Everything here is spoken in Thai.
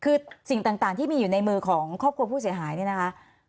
คือสิ่งต่างที่มีอยู่ในมือของครอบครัวผู้เสียหายเนี่ยนะคะ